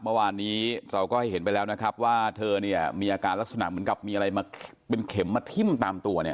เมื่อวานนี้เราก็ให้เห็นไปแล้วนะครับว่าเธอเนี่ยมีอาการลักษณะเหมือนกับมีอะไรมาเป็นเข็มมาทิ้มตามตัวเนี่ย